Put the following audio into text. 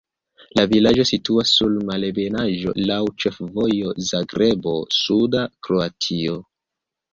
La vilaĝo situas sur malebenaĵo, laŭ ĉefvojo Zagrebo-suda Kroatio.